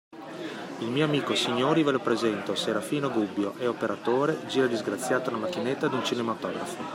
Il mio amico, signori - ve lo presento: Serafino Gubbio - è operatore: gira, disgraziato, la macchinetta d'un cinematografo.